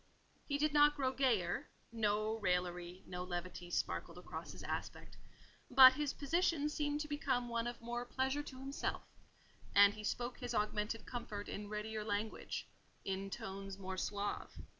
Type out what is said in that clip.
He did not grow gayer—no raillery, no levity sparkled across his aspect—but his position seemed to become one of more pleasure to himself, and he spoke his augmented comfort in readier language, in tones more suave.